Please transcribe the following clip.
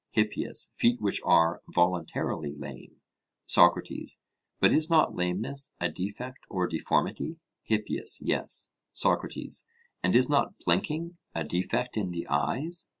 HIPPIAS: Feet which are voluntarily lame. SOCRATES: But is not lameness a defect or deformity? HIPPIAS: Yes. SOCRATES: And is not blinking a defect in the eyes?